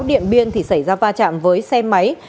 điện biên thì xảy ra va chạm với xe máy